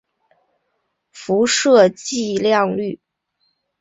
辐射剂量率。